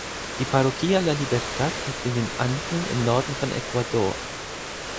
Die Parroquia La Libertad liegt in den Anden im Norden von Ecuador.